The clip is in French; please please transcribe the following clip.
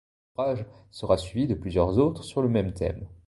L'ouvrage sera suivi de plusieurs autres sur le même thème.